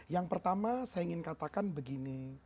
yang pertama saya ingin katakan begini